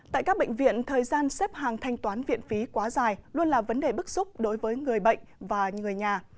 tại các bệnh viện thời gian xếp hàng thanh toán viện phí quá dài luôn là vấn đề bức xúc đối với người bệnh và người nhà